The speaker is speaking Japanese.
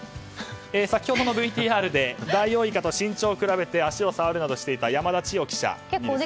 先ほどのＶＴＲでダイオウイカと身長を比べて足を触るなどしていた山田千代記者。